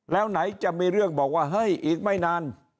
แล้วไหนจะมีเรื่องบอกว่าเฮ้ยอีกไม่นาน